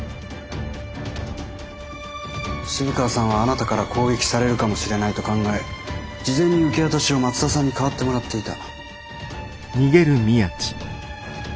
渋川さんはあなたから攻撃されるかもしれないと考え事前に受け渡しを松田さんに代わってもらっていた。